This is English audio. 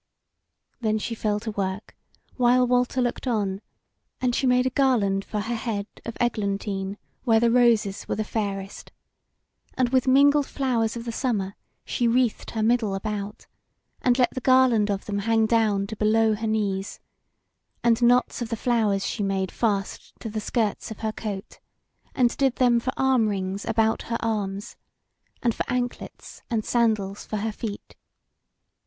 Then she fell to work, while Walter looked on; and she made a garland for her head of eglantine where the roses were the fairest; and with mingled flowers of the summer she wreathed her middle about, and let the garland of them hang down to below her knees; and knots of the flowers she made fast to the skirts of her coat, and did them for arm rings about her arms, and for anklets and sandals for her feet.